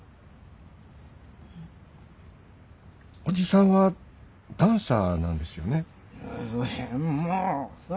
伯父さんはダンサーなんですよね？